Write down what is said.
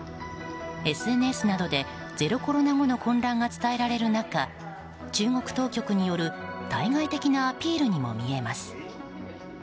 ＳＮＳなどでゼロコロナ後の混乱が伝えられる中中国当局による対外的なアピールにも見えます。